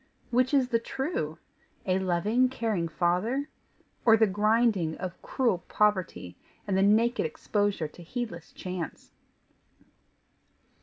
Which is the true? a loving, caring father, or the grinding of cruel poverty and the naked exposure to heedless chance?